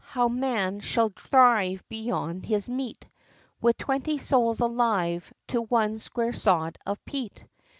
how man shall thrive beyond his meat, With twenty souls alive, to one square sod of peat!